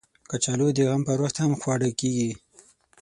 کچالو د غم پر وخت هم خواړه کېږي